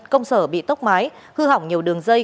công sở bị tốc mái hư hỏng nhiều đường dây